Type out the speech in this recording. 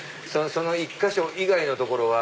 その１か所以外の所は。